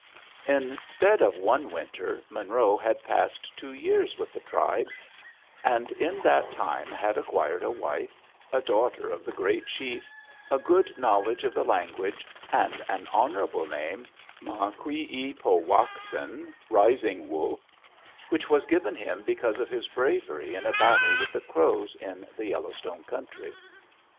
Instead of one winter, Monroe had passed two years with the tribe, and in that time had acquired a wife, a daughter of the great chief, a good knowledge of the language, and an honorable name, Ma kwi´ i po wak sĭn (Rising Wolf), which was given him because of his bravery in a battle with the Crows in the Yellowstone country.